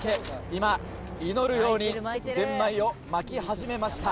今祈るようにゼンマイを巻き始めました。